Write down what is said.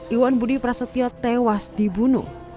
iwan budi prasetyo tewas dibunuh